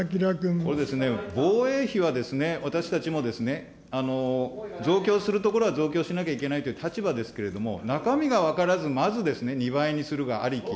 これですね、防衛費は私たちもですね、増強するところは増強しなきゃいけないという立場ですけれども、中身が分からず、まず２倍にするがありき。